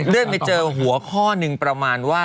เลื่อนไปเจอหัวข้อหนึ่งประมาณว่า